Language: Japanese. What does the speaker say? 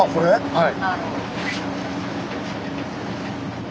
はい。